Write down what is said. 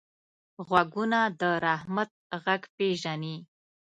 غوږونه د رحمت غږ پېژني